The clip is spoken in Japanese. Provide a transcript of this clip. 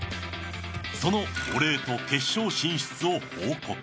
そのお礼と決勝進出を報告。